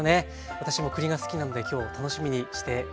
私も栗が好きなので今日楽しみにしてまいりました。